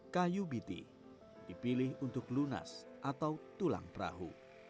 kayu biti dipilih untuk lunas atau tulang perahu